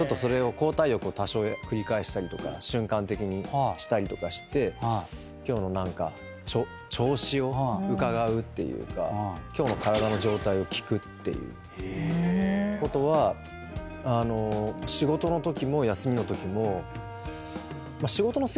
多少繰り返したりとか瞬間的にしたりとかして今日の何か調子をうかがうっていうか今日の体の状態を聞くっていうことは仕事のときも休みのときも。